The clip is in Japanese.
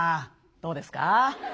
どうですか？